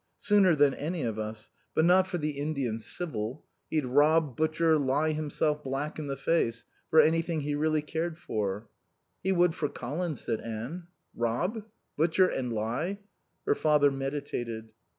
"Sooner than any of us. But not for the Indian Civil. He'd rob, butcher, lie himself black in the face for anything he really cared for." "He would for Colin," said Anne. "Rob? Butcher and lie?" Her father meditated.